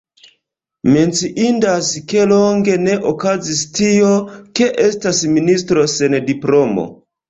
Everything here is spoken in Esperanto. Menciindas, ke longe ne okazis tio, ke estas ministro sen diplomo.